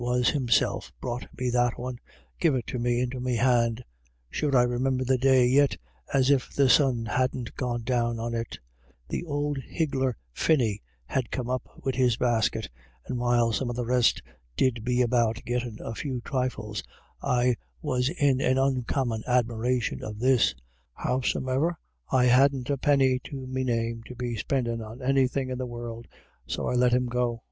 i6i was Himself brought me that one — give it to me into me hand. Sure I remimber the day yit, as if the sun hadn't gone down on it Th'ould higgler Finny had come up wid his basket, and while some of the rest did be about gittin* a few trifles, I was in an oncommon admiration of this ; howsome'er I hadn't a pinny to me name to be spindhV on any thin* in the world, so I let him go.